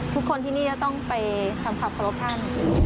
ทุกคนที่นี่จะต้องไปทำครับโฆลพ์ท่าน